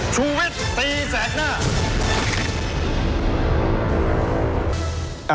ชูเว็ดตีแสดหน้า